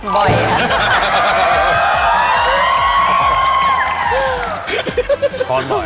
บ่อยค่ะ